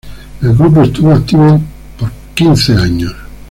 El grupo estuvo activo por quince años.